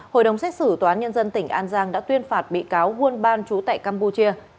hội đồng xét xử tòa án nhân dân tp đà nẵng đã tuyên phạt bị cáo huôn ban trú tại campuchia